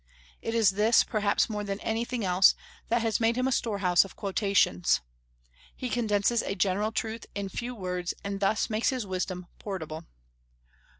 It is this, perhaps more than anything else, that has made him a storehouse of quotations. He condenses a general truth in a few words, and thus makes his wisdom portable.